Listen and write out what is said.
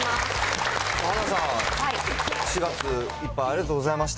はなさん、４月いっぱい、ありがとうございました。